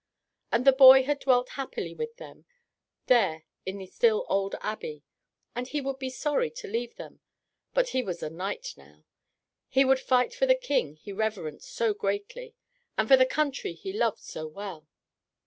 And the boy had dwelt happily with them there in the still old abbey, and he would be sorry to leave them, but he was a knight now. He would fight for the King he reverenced so greatly, and for the country he loved so well.